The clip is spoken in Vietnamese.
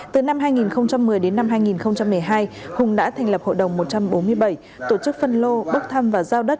từ năm hai nghìn một mươi đến năm hai nghìn một mươi hai hùng đã thành lập hội đồng một trăm bốn mươi bảy tổ chức phân lô bốc thăm và giao đất